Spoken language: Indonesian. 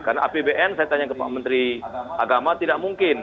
karena apbn saya tanya ke pak menteri agama tidak mungkin